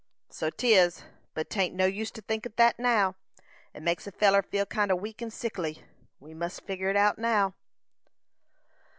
"So 'tis, but 'tain't no use to think on't now; it makes a feller feel kind o' weak and sickly. We must figur' it out now."